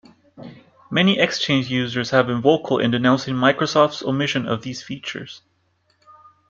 Many Exchange users have been vocal in denouncing Microsoft's omission of these features.